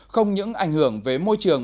không những ảnh hưởng với môi trường